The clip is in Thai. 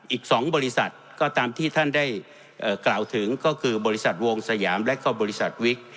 อีก๒บริษัทก็ตามที่ท่านได้กล่าวถึงก็คือบริษัทวงสยามและก็บริษัทวิก